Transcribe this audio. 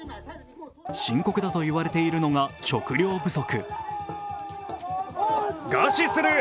深刻だと言われているのが食糧不足。